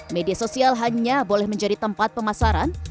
media sosial hanya boleh menjadi tempat pemasaran